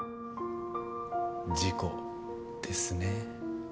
事故ですね。